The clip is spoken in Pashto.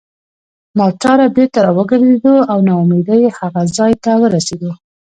ناچاره بیرته راوګرځېدو او نا امیدۍ هغه ځای ته ورسېدو.